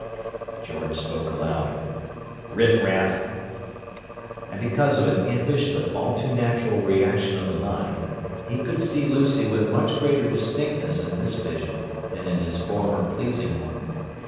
George spoke aloud: "Riffraff!" And because of an impish but all too natural reaction of the mind, he could see Lucy with much greater distinctness in this vision than in his former pleasing one.